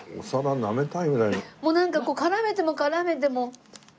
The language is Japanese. もうなんかこう絡めても絡めてももう。